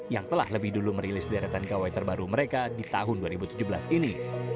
yang telah lebih dulu merilis deretan gawai terbaru mereka di tahun dua ribu tujuh belas ini